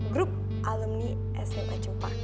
grup alumni sma jepang